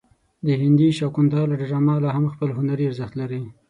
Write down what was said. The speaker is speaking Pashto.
د هندي شاکونتالا ډرامه لا هم خپل هنري ارزښت لري.